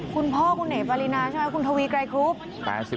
คุณพ่อคุณเอ๋ปารีนาใช่ไหมคุณทวีไกรครุบ